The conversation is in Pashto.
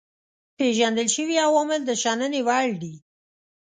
پيژندل شوي عوامل د شنني وړ دي.